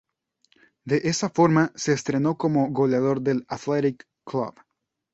De esa forma se estrenó como goleador del Athletic Club.